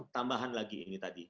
tambahan lagi ini tadi